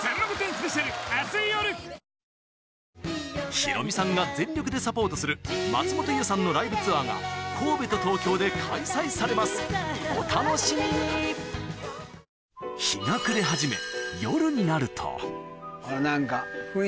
ヒロミさんが全力でサポートする松本伊代さんのライブツアーが神戸と東京で開催されますお楽しみにあっ何か。